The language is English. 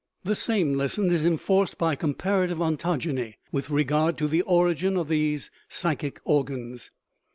The same lesson is enforced by comparative ontogeny with regard to the origin of these psychic organs.